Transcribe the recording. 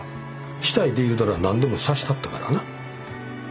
したいっていうたら何でもさしたったからな。